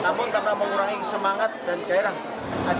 namun karena mengurangi semangat dan gairah